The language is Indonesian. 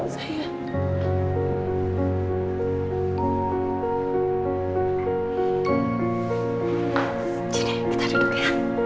sini kita duduk ya